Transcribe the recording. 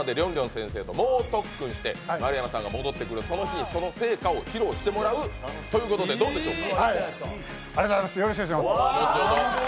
先生に猛特訓して丸山さんが戻ってくるその日にその成果を披露してもらうということでどうでしょうか？